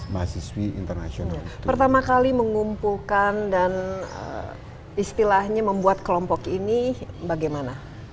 mahasiswi internasional pertama kali mengumpulkan dan istilahnya membuat kelompok ini bagaimana